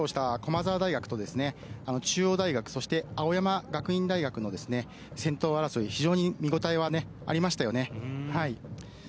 往路優勝した駒澤大学と中央大学、そして青山学院大学の先頭争い、非常に見応えはありましたね。